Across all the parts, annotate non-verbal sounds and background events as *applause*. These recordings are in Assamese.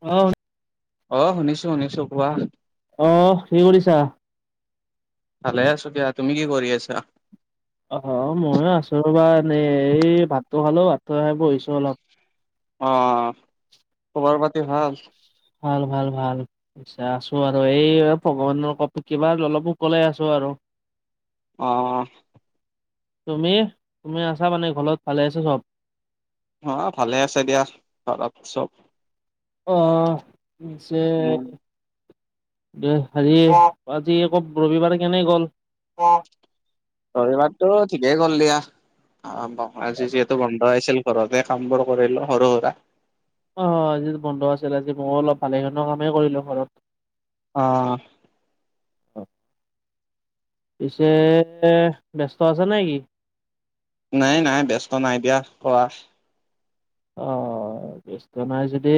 অ। অ শুনিছো শুনিছো, কোৱা? অহ, কি কৰিছা? ভালে আছো দিয়া, তুমি কি কৰি আছা? অ ময়ো আছো ৰবা এনেই। এই ভাতটো খালো, ভাতটো খাই বহিছো অলপ। অ। *inaudible* খবৰ পাতি ভাল? ভাল ভাল ভাল। পিছে আছো আৰু এই ভগৱানৰ ক কিবা অলপোকলে আছো আৰু। অ। তুমি? তুমি আছা মানে ঘলত, ভালে আছো চব? অ ভালে আছে দিয়া, ঘৰত চব। অ। উম *unintelligible* দে আজি আজি আকো ৰবিবাৰ কাৰনে গ'ল? ৰবিবাৰটো ঠিকেই গ'ল দিয়া। আৰাম বাও, আজি যিহেতু বন্ধ আছিল। ঘৰতে কাম বোৰ কৰিলো সৰু সুৰা। অ আজি বন্ধ আছিল। আজি মও অলপ ভালেখন কামেই কৰিলো ঘৰত। অ। পিছে ব্যস্ত আছে নে কি? নাই নাই ব্যস্ত নাই দিয়া, কৱা। অ', ব্যস্ত নাই যদি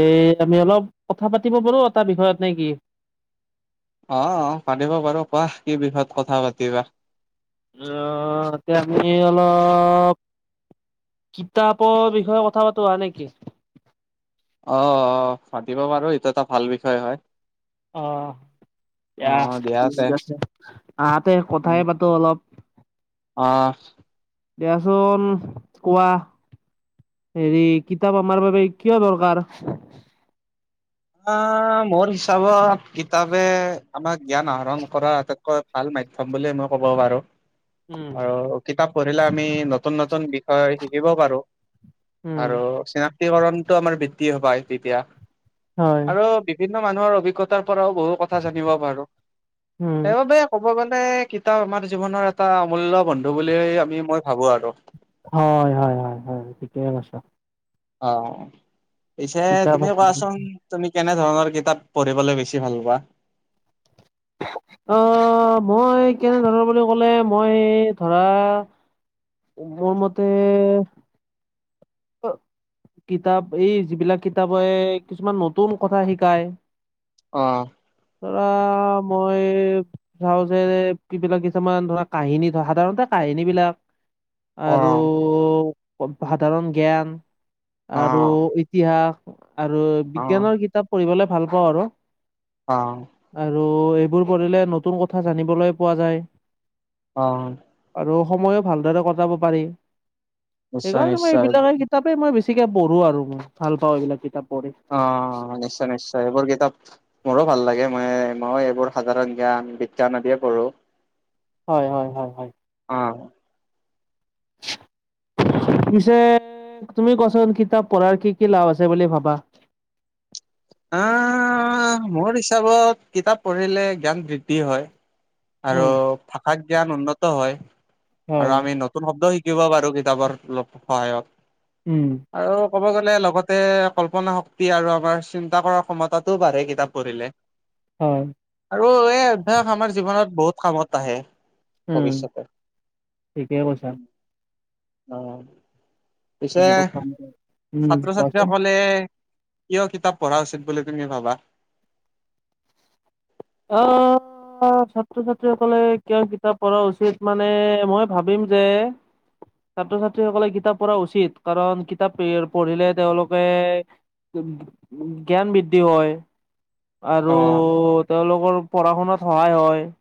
আমি অলপ কথা পাতিব পাৰোঁ এটা বিষয়ত, নে কি? অ' অ', পাতিব পাৰোঁ কোৱা, কি বিষয়ত কথা পাতিবা। অ', তে আপনি অলপ - কিতাপৰ বিষয়ে কথা পাতো আৰু নে কি? অ', অ', পাতিব পাৰোঁ, এইটো এটা ভাল বিষয় হয়। অ', অ দিয়া, ঠিক তে আছে। আহাতে কথাই পাতোঁ অলপ। অহ। দিয়াচোন কোৱা। হেৰি, কিতাপ আমাৰ বাবে কিয় দৰকাৰ? আ, মোৰ হিচাপত কিতাপে আমাক জ্ঞান আহৰণ কৰা আটাইত- কৈ ভাল মাধ্যম বুলি মই ক'ব পাৰোঁ। উম আৰু কিতাপ পঢ়িলে আমি নতুন-নতুন বিষয় শিকিব পাৰোঁ। উম আৰু চিনাক্তি কৰণটো আমাৰ বিত্তীয় পাই তেতিয়া। হয় আৰু বিভিন্ন মানুহৰ অভিজ্ঞতাৰ পৰাও বহু কথা জানিব পাৰোঁ। উম সেইবাবে- ক'ব গ'লে কিতাপ আমাৰ জীৱনৰ এটা অমূল্য বন্ধু বুলি আমি, মই ভাবোঁ আৰু। হয়, হয় হয় হয়, ঠিকে কৈছোঁ। অ', পিছে কিতাপ তুমি কোৱাচোন - তুমি কেনে ধৰণৰ কিতাপ পঢ়িবলে বেছি ভাল পোৱা? অ', মই কেনে ধৰণৰ বুলি ক'লে মই ধৰা - মোৰ মতে- অ'। কিতাপ, এই যিবিলাক কিতাপে কিছুমান নতুন কথা শিকায়। অহ। ধৰা মই- চাওঁ যে, কিবিলাক কিছুমান ধৰা, কাহিনী ধৰ। সাধাৰণতে কাহিনীবিলাক- আৰু অ সাধাৰণ জ্ঞান আৰু অ ইত - তিহাস আৰু বিজ্ঞানৰ কিতাপ পঢ়িবলে ভাল পাওঁ আৰু। অ'। আৰু এইবোৰ কৰিলে নতুন কথা জানিবলৈ পোৱা যায়। অহ। আৰু সময়ো ভালদৰে কটাব পাৰি। নিশ্চয় সেইকাৰণে মই নিশ্চয় এইবো- তাপেই মই বেছিকে পঢ়োঁ আৰু মই। ভাল পাওঁ এইবিলাক কিতাপ পঢ়ি। অ', নিশ্চয় নিশ্চয়। এইবোৰ কিতাপ- মোৰো ভাল লাগে। মই-মই এইবোৰ সাধাৰণ জ্ঞান, বিজ্ঞান আদিয়ে পঢ়োঁ। হয় হয় হয় হয়। অ'। পিছে তুমি কোৱাচোন কিতাপ পঢ়াৰ কি কি লাভ আছে বুলি ভাবা? আ, মোৰ হিচাপত কিতাপ পঢ়িলে জ্ঞান বৃদ্ধি হয়। আৰু উম, ভাষাত জ্ঞান উন্নত হয়। হয়, আৰু আমি নত - তুন শব্দ শিকিব পাৰোঁ কিতাপৰ অলপ সহায়ত। উম। আৰু ক'ব গ'লে লগতে কল্পনা শক্তি, আৰু আমাৰ চিন - তা কৰা ক্ষমতাতো বাঢ়ে কিতাপ পঢ়িলে। হয়। আৰু এই অভ্যাস আমাৰ জীৱনত বহুত কামত আহে। উম, ভৱিষ্যতে ঠিকে কৈছা। উম। পিছে উম, ছাত্ৰ- ছাত্ৰী কোৱাচোন। সকলে কিয় কিতাপ পঢ়া উচিত বুলি তুমি ভাবা? অ', অ', ছাত্ৰ -ছাত্ৰীসকলে কিয় কিতাপ পঢ়া উচিত মানে মই ভাবিম যে ছাত্ৰ- ছাত্ৰীসকলে কিতাপ পঢ়া উচিত কাৰণ কিতাপ পঢ়িলে তেওঁলোকে জ্ঞান বৃদ্ধি হয় আৰু অ', তেওঁলোকৰ পঢ়া শুনাত সহায় হয়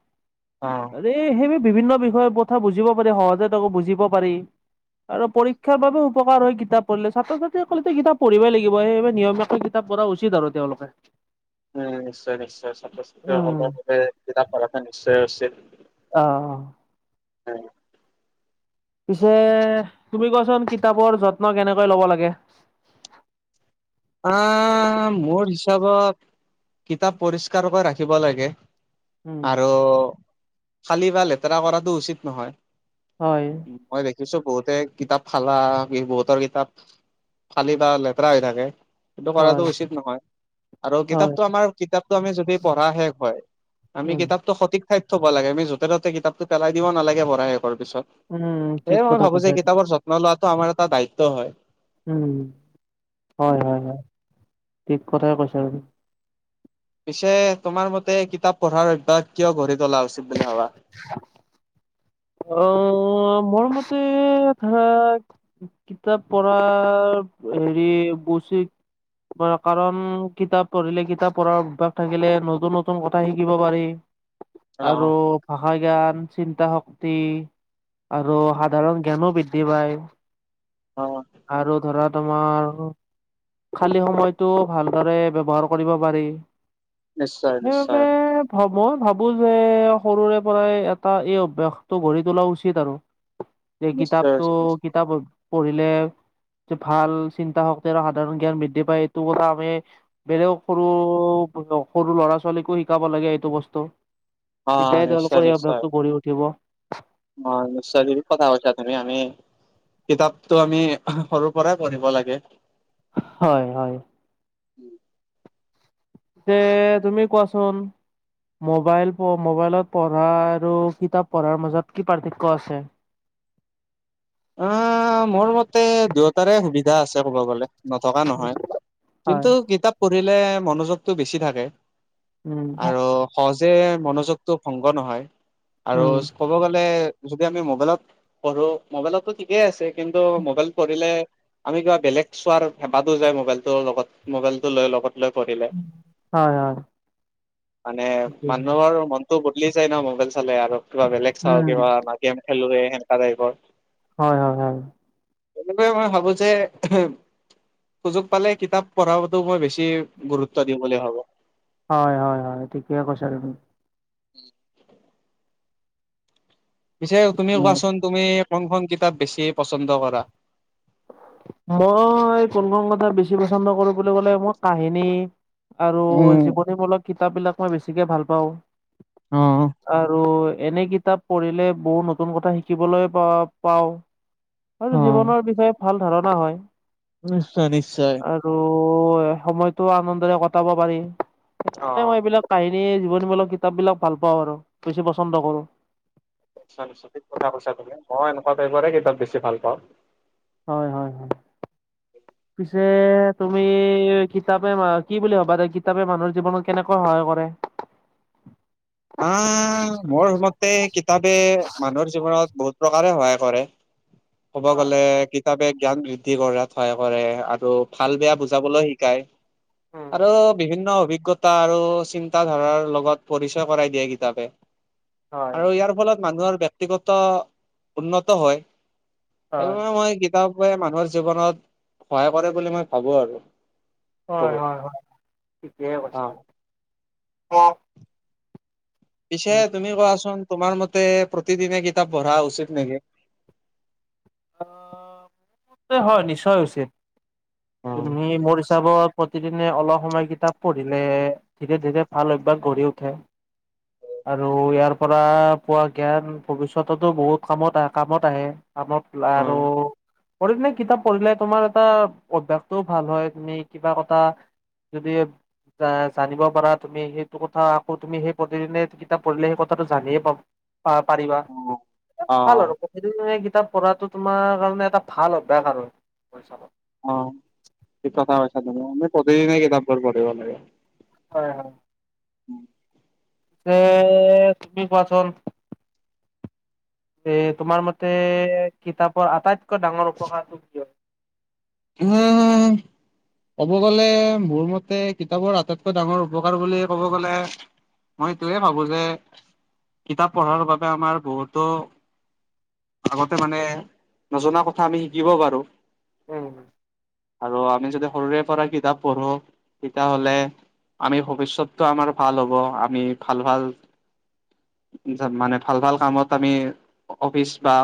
অ', আৰে সেইব বিভিন্ন বিষয়ে কথা বুজিব পাৰি সহজে তাকো বুজিব পাৰি আৰু পৰীক্ষাৰ বাবেও উপকাৰ হয় কিতাপ পঢ়িলে ছাত্ৰ ছাত্ৰীসকলে ত কিতাপ পঢ়িবই লাগিব সেই বাবে নিয়মৈ কিতাপ পঢ়া উচিত আৰু তেওঁলোকে উম নিশ্চয় নিশ্চয় ছাত্ৰ ছাত্ৰীসকলৰ বাবে কিতাপ পঢ়াটো নিশ্চয় উচিত অ অ হয় পিছে তুমি কোৱাচোন কিতাপৰ যত্ন কেনেকৈ ল'ব লাগে আ মোৰ হিচাপত কিতাপ পৰিষ্কাৰকৈ ৰাখিব লাগে উম আৰু ফালি বা লেতেৰা কৰাটো উচিত নহয় হয় মই দেখিছো বহুতে কিতাপ ফালা বহুতৰ কিতাপ ফালি বা লেতেৰা হৈ থাকে সেইটো কৰাটো হয় উচিত নহয় আৰু হয় কিতাপটো আমাৰ কিতাপটো আমি যদি পঢ়া শেষ হয় আমি উম কিতাপ টো সঠিক ঠাইত থব লাগে আমি য'তে ত'তে কিতাপ টো পেলাই দিব নালাগে পঢ়াৰ শেষ হোৱাৰ উম পিছত ঠিক সেয়ে মই কথা ভাবো কৈছা যে কিতাপৰ যত্ন লোৱাটো আমাৰ এটা দায়িত্ব হয় উ হয় হয় হয় ঠিক কথাই কৈছে আৰু পিছে তোমাৰ মতে কিতাপ পঢ়াৰ অভ্যাস কিয় ঘঢ়ি তোলা উচিত বুলি ভাবা *inaudible* অ মোৰ মতে ধৰা কিতাপ পঢ়া হেৰি বছি কাৰণ কিতাপ পঢ়িলে কিতাপ পঢ়াৰ অভ্য়াস থাকিলে নতুন নতুন কথা শিকিব পাৰি আৰু অ', ভাষা জ্ঞান চিন্তা শক্তি আৰু সাধাৰণ জ্ঞানো বৃদ্ধি পায় অ আৰু ধৰা তোমাৰ খালী সময়তটো ভালদৰে ব্যৱহাৰ কৰিব পাৰি নিশ্চয়, সেইবাবে নিশ্চয়, মই ভাবো যে সৰুৰে পৰাই এটা এই অভ্যাসটো গঢ়ি তোলা উচিত আৰু *inaudible* যে নিশ্চয় কিতাপটো উচিত নিশ্চয়। কিতাপ পঢ়িলে ভাল চিন্তা শক্তিৰ সাধাৰণ জ্ঞান বৃদ্ধি পায় এইটো কথা আমি বেলেগ সৰু সৰু ল'ৰা ছোৱালীকো শিকাব লাগে এইটো বস্তু অ', তেতিয়াই নিশ্চয়, তেওঁলোকৰ এই নিশ্চয়, অভ্যাসতটো গঢ়ি উঠিব অ নিশ্চয় ঠিক কথা কৈছা তুমি আমি কিতাপটো আমি সৰু পৰাই পঢ়িব লাগে হয় হয় যে তুমি কোৱাচোন। মোবাইল প মোবাইলত পঢ়া আৰু কিতাপ পঢ়াৰ মাজত কি পাৰ্থক্য আছে। অ' মোৰ মতে দুয়োটাৰে সুবিধা আছে ক'ব গ'লে। নথকা নহয়, হয় কিন্তু কিতাপ পঢ়িলে মনোযোগটো বেছি থাকে। উম আৰু সহজে মনোযোগতটো ভংগ নহয় আৰু। উম ক'ব গ'লে যদি আমি মোবাইলত পঢ়ো। মোবাইলতো ঠিকেই আছে কিন্তু মোবাইল পঢ়িলে। আমি কিবা বেলেগ চোৱাৰ হেপাহতো যায় মোবাইলটোৰ লগত মোবাইল টো লৈ লগত। লৈ কৰিলে। হয় হয় মানে মানুহৰ মনতো বদলি যায় ন' মোবাইল চালে আৰু কিবা বেলেগ চাও উম কিবা। গেম খেলোৰে সেনেকা তাইপৰ। হয় হয় হয়। তেনেকৈ মই ভাবো যে সুযোগ পালে কিতাপ পঢ়াতো মই বেছি গুৰুত্ব দিম বুলি ভাবো। হয় হয় হয় ঠিকে কৈছা তুমি। *inaudible* পিছে তুমি কোৱাচোন তুমি কোনখন কিতাপ বেছি পচন্দ কৰা। মই কোনখন কিতাপ বেছি পছন্দ কৰোঁ বুলি ক'লে মই কাহিনী। আৰু উম জীৱনীমূলক কিতাপ বিলাক মই বেছিকে ভাল পাওঁ। অ' আৰু এনে কিতাপ পঢ়িলে বহুত নতুন কথা শিকিবলৈ পা পাওঁ। আৰু অ জীৱনৰ বিষয়ে ভাল ধাৰণা হয়। নিশ্চয় নিশ্চয়। আৰু সময়তো আনন্দৰে কটাব পাৰি অ সেইকাৰণে মই এইবিলাক। কাহিনী জীৱনীমূলক কিতাপ বিলাক ভাল পাওঁ আৰু বেছি পচন্দ কৰোঁ। নিশ্চয়, নিশ্চয় ঠিক কথা কৈছা তুমি মই এনেকুৱা টাইপৰে কিতাপ বেছি ভাল পাওঁ। হয় হয় হয়, পিছে তুমি কিতাপে কি বুলি ভবা যে কিতাপে মানুহৰ জীৱনত কেনেকৈ সহায় কৰে। আহ মোৰ মতে, কিতাপে মানুহৰ জীৱনত বহুত প্ৰকাৰে সহায় কৰে। *inaudible* ক'ব গলে কিতাপে জ্ঞান বৃদ্ধি কৰাত সহায় কৰে আৰু ভাল বেয়া বুজাবলৈ শিকায়। উম আৰু বিভিন্ন অভিজ্ঞতা আৰু চিন্তা ধাৰাৰ লগত পৰিচয়। পৰিচয় কৰাই দিয়ে কিতাপে হয় আৰু ইয়াৰ ফলত মানুহৰ আৰু ব্যক্তি। ব্যক্তিগত উন্নত হয় হয় সেইবাবে মই কি। কিতাপে মানুহৰ জীৱনত সহায় কৰে বুলি মই ভাবো আৰু। হয় বহুত হয় হয় ঠিকে অ কৈছা অ' পিছে তুমি কোৱাচোন তোমাৰ মতে প্ৰতিদিনে কিতাপ পঢ়া উচিত নেকি? হয় নিশ্চয় হৈছে উম, তুমি মোৰ হিচাপত প্ৰতিদিনে অলপ সময় কিতাপ পঢ়িলে ধীৰে ধীৰে ভাল অভ্যাস গঢ়ি উঠে। আৰু ইয়াৰ পৰা পোৱা জ্ঞান ভৱিষ্যততো বহুত কামত আহে কামত আহে কামত। আৰু। উম, প্ৰতিদিনে কিতাপ পঢ়িলে তোমাৰ এটা অভ্যস তো ভাল হয় তুমি কিবা কি। যদি। জা জানিব পাৰা তুমি সেইটো কথা আকৌ তুমি সেই প্ৰতিদিনে কিতাপ পঢ়িলে সেই কথাটো জানিয়ে পাব। পা পাৰিবা অ ভাল আৰু প্ৰতিদিনে কিতাপ। কৰাটো তোমাৰ কাৰণে এটা ভাল অভ্যাস আৰু কৰি চাবা। অ ঠিক কথা কৈছা তুমি প্ৰতিদিনে কিতাপবোৰ পঢ়িব লাগে। হয় হয়। এ তুমি কোৱাচোন। এ তোমাৰ মতে কিতাপৰ আটাইতকৈ ডাঙৰ উপকাৰতো কিয় উম *unintelligible* ক'ব গ'লে মোৰ মতে কিতাপৰ আটাইতকৈ ডাঙৰ উপকাৰ বুলি ক'ব গ'লে মই এইটোৱে ভাবো যে, কিতাপ পঢ়াৰ বাবে আমাৰ বহুতো আগতে মানে নজনা কথা আমি শিকিব পাৰোঁ। উম আৰু আমি যদি সৰুৰে পৰা কিতাপ পঢ়ো তেতিয়াহ'লে আমি ভৱিষ্যতটো আমাৰ ভাল হ'ব। আমি ভাল-ভাল *unintelligible* মানে ভাল-ভাল কামত আমি অফিচ বা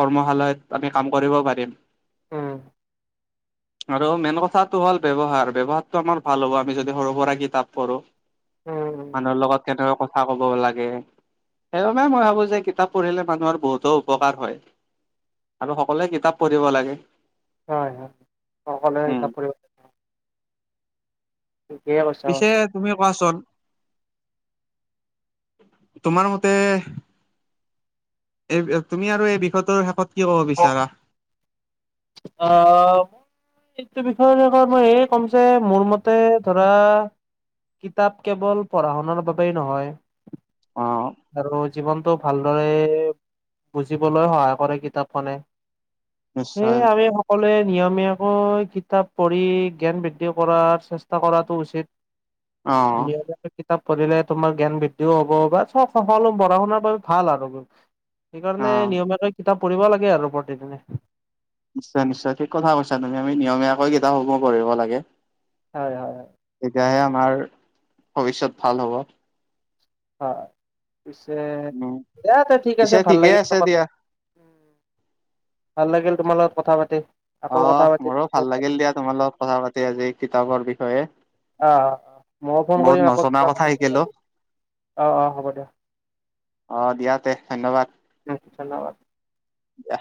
কৰ্মশালাত আমি কাম কৰিব পাৰিম। উম। আৰু মেইন কথাটো হ'ল ব্যৱহাৰ। ব্যৱহাৰতো আমাৰ ভাল হ'ব আমি যদি সৰু-সুৰা কিতাপ পঢ়োঁ। উম, মানুহৰ লগত কেনেকৈ কথ কথা ক'ব লাগে সেইবাবে মই ভাবো যে কিতাপ পঢ়িলে মানুহৰ বহুতো উপকাৰ হয়। আৰু সকলোৱে কিতাপ পঢ়িব লাগে। হয় হয়, সকলোৱে উম কিতাপ পঢ়িব। ঠিকেই কৈছা হয়। পিছে তুমি কোৱাচোন, তোমাৰ মতে *unintelligible* তুমি আৰু এই বিষয়টোৰ শেষত কি ক'ব বিচাৰা। অ এইটো বিষয়ৰ শেষত মই এয়ে ক'ম যে মোৰ মতে ধৰা কিতাপ কেৱল পঢ়া-শুনাৰ বাবেই নহয় অ আৰু জীৱনটো ভালদৰে বুজিবলৈ সহায় কৰে কিতাপখনে। সেয়ে নিশ্চয় আমি সক *unintelligible* সকলোৱে নিয়মীয়াকৈ কিতাপ পঢ়ি জ্ঞান বৃদ্ধি কৰাৰ চেষ্টা কৰাটো উচিত। অ আমি আক *unintelligible* কিতাপ পঢ়িলে তোমাৰ জ্ঞান বৃদ্ধিও হ'ব বা চব সকলো পঢ়া-শুনাৰ বাবে ভাল আৰু অ সেইকাৰণে নিয়মীয়াকৈ কিতাপ পঢ়িব লাগে আৰু প্ৰতিদিনে। নিশ্চয় নিশ্চয়, ঠিক কথা কৈছা তুমি। আমি নিয়মীয়াকৈ কিতাপসমূহ পঢ়িব লাগে। হয় হয় হয়। তেতিয়াহে আমাৰ ভৱিষ্যত ভাল হ'ব। হয়, পিছে উম, দিয়া তে ঠিক আছে পিছে ভাল ঠিকে লাগিল আছে কথা দিয়া। ভাল লাগিল তোমাৰ লগত কথা পাতি। আকৌ কথা অহ পাতিম মোৰো ফোন ভাল লাগিল কৰিম দিয়া তোমাৰ লগত কথা পাতি আজি কিতাপৰ বিষয়ে। অ অ অ ময়ো ফোন বহুত কৰিম আকৌ নজনা কিবা কথা শিকিলো *unintelligible* অ' অ' হ'ব দিয়া। অ দিয়া তে ধন্যবাদ। উ ধন্যবাদ। দিয়া।